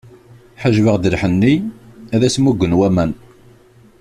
Ḥejbeɣ-d lḥenni, ad as-muggen waman.